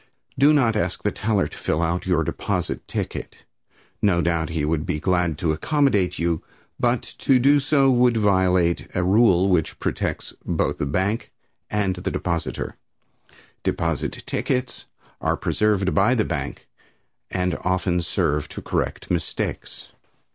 Do not ask the teller to fill our your deposit ticket. No doubt he would be glad to accommodate you, but to do so would violate a rule which protects both the bank and the depositor, Deposit tickets are preserved by the bank, and often serve to correct mistakes.